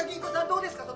どうですか？